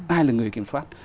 ai là người kiểm soát